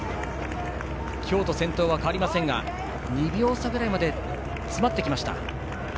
京都、先頭は変わりませんが２秒差ぐらいまで詰まってきました。